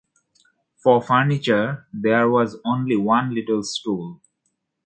For furniture there was only one little stool.